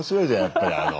やっぱりあの。